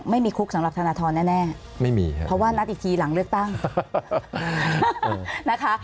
ไม่มีคุกสำหรับธนทรแน่ไม่มีครับเพราะว่านัดอีกทีหลังเลือกตั้งนะคะ